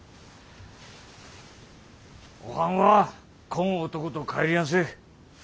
おはんはこん男と帰りやんせ。